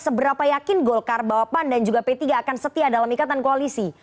seberapa yakin golkarbaupan dan juga p tiga akan setia dalam ikatan koalisi